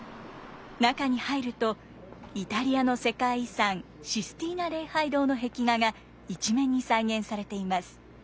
中に入るとイタリアの世界遺産システィーナ礼拝堂の壁画が一面に再現されています。